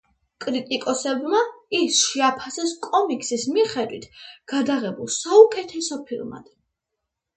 კრიტიკოსებმა ის შეაფასეს კომიქსის მიხედვით გადაღებულ საუკეთესო ფილმად.